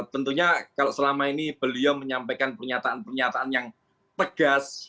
tentunya kalau selama ini beliau menyampaikan pernyataan pernyataan yang tegas